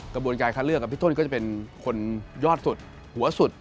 กระบวนการคัดเลือกพี่ต้นก็จะเป็นคนยอดสุดหัวสุด